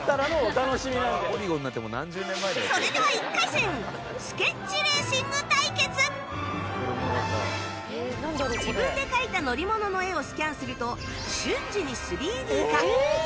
それでは自分で描いた乗り物の絵をスキャンすると瞬時に ３Ｄ 化